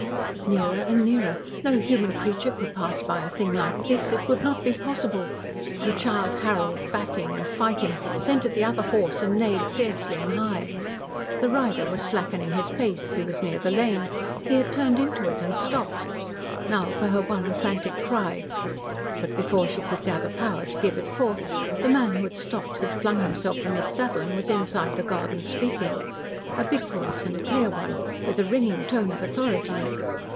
Nearer and nearer. No human creature could pass by a thing like this it would not be possible. And Childe Harold, backing and fighting, scented the other horse and neighed fiercely and high. The rider was slackening his pace; he was near the lane. He had turned into it and stopped. Now for her one frantic cry but before she could gather power to give it forth, the man who had stopped had flung himself from his saddle and was inside the garden speaking. A big voice and a clear one, with a ringing tone of authority.